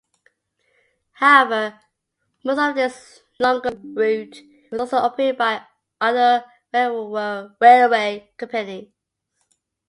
However most of this longer route was always operated by other railway companies.